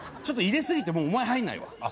ちょっと入れすぎてお前入んないわ。